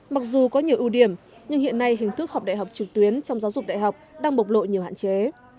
mặc dù có nhiều ưu điểm nhưng hiện nay hình thức học đại học trực tuyến trong giáo dục đại học đang bộc lộ nhiều hạn chế